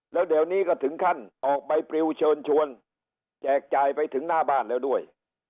แล้วเดี๋ยวนี้ก็ถึงขั้นออกใบปริวเชิญชวนแจกจ่ายไปถึงหน้าบ้านแล้วด้วย